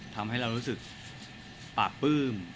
ทำให้เรารู้สึกปราบปลื้ม